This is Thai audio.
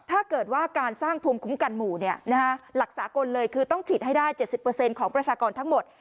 ถ้าเกิดว่าการสร้างภูมิคุ้มกันหมู่เนี่ยนะฮะหลักษากลเลยคือต้องฉีดให้ได้เจ็ดสิบเปอร์เซ็นต์ของประชากรทั้งหมด